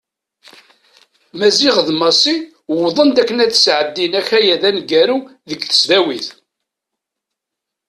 Maziɣ d Massi wwḍen-d akken ad sɛeddin akayad aneggaru deg tesnawit.